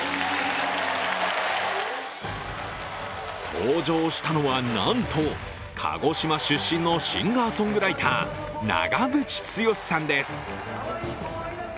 登場したのは、なんと鹿児島出身のシンガーソングライター長渕剛さんです。